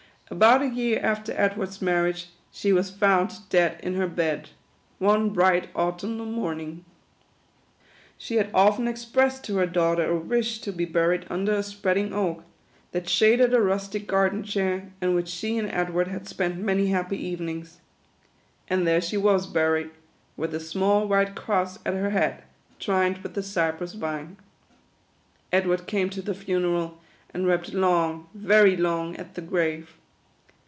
About a year after Edward's marriage, she was found dead in her bed, one bright autumnal morning. She had often expressed to her daughter a wish to be buried under a spreading oak, that sha THE QUADROONS. 71 ded a rustic garden chair, in which she and Edward had spent many happy evenings. And there she was buried ; with a small white cross at her head, twined with the cypress vine. Edward came to the funeral, and wept long, very long, at the grave.